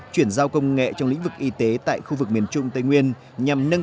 chuyển giao công nghệ trong lĩnh vực y tế tại khu vực miền trung tây nguyên